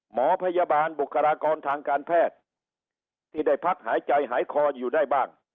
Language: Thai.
หมอพยาบาลบุคลากรทางการแพทย์ที่ได้พักหายใจหายคออยู่ได้บ้าง